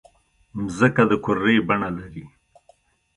مځکه د کُرې بڼه لري.